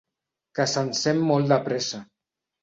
Que s'encén molt de pressa.